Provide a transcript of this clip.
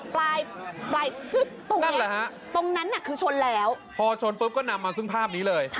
ปลายจึ๊บตรงนั้นน่ะคือชนแล้วพอชนปุ๊บก็นำมาซึ่งภาพนี้เลย